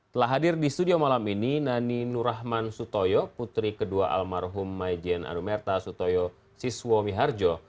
telah hadir di studio malam ini nani nur rahman sutoyo putri kedua almarhum maijen anumerta sutoyo siswo miharjo